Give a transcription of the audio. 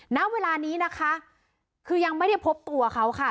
ณเวลานี้นะคะคือยังไม่ได้พบตัวเขาค่ะ